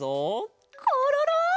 コロロ！